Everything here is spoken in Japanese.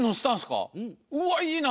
うわいいな！